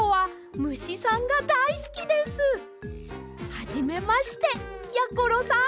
はじめましてやころさん。